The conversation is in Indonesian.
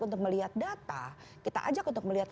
untuk melihat data kita ajak untuk melihat